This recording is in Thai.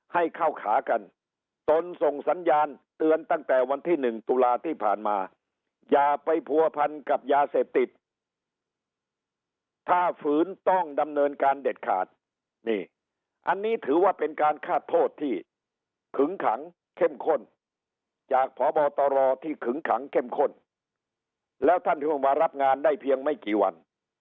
ให้เข้าขากันตนส่งสัญญาณเตือนตั้งแต่วันที่๑ตุลาที่ผ่านมาอย่าไปผัวพันกับยาเสพติดถ้าฝืนต้องดำเนินการเด็ดขาดนี่อันนี้ถือว่าเป็นการฆาตโทษที่ขึงขังเข้มข้นจากพบตรที่ขึงขังเข้มข้นแล้วท่านเพิ่งมารับงานได้เพียงไม่กี่วัน